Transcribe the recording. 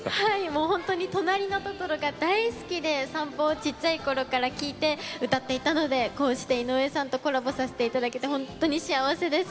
もう本当に「となりのトトロ」が大好きで「さんぽ」をちっちゃい頃から聴いて歌っていたのでこうして井上さんとコラボさせて頂けて本当に幸せです。